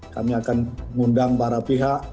kami akan mengundang para pihak